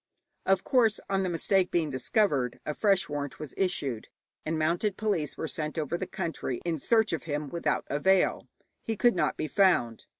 Of course, on the mistake being discovered a fresh warrant was issued, and mounted police were sent over the country in search of him, without avail; he could not be found.